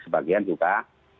sebagian juga tidak